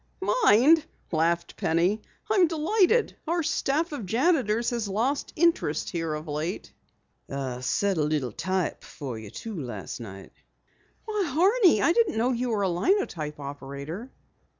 "Mind?" laughed Penny. "I'm delighted. Our staff of janitors has lost interest here of late." "I set a little type for you last night, too." "Why, Horney! I didn't know you were a linotype operator."